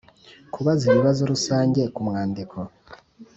Kubaza ibibazo rusange ku mwandiko